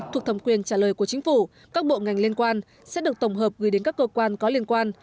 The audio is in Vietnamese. thuộc thẩm quyền trả lời của chính phủ các bộ ngành liên quan sẽ được tổng hợp gửi đến các cơ quan có liên quan